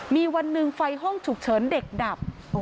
มีวันหนึ่งไฟห้องฉุกเฉินเด็กดับ